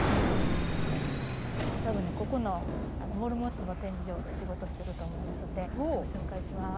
多分ねここのモルモットの展示場で仕事してると思いますんでご紹介します。